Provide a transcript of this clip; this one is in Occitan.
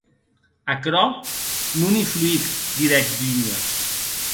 Aquerò non influic, didec Dunia.